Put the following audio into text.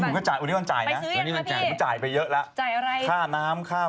วันนี้วันจ่ายนะ